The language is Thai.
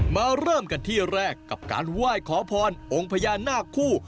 เริ่มกันที่แรกกับการไหว้ขอพรองค์พญานาคคู่